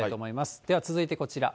では続いてこちら。